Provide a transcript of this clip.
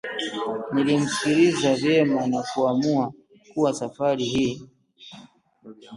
Nilimsikiliza vyema na kuamua kuwa safari hii